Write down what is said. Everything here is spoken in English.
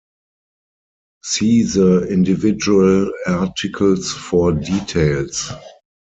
See the individual articles for details.